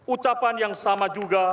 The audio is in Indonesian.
ucapan yang sama juga